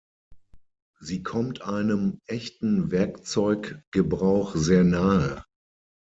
Sie kommt einem echten Werkzeuggebrauch sehr nahe.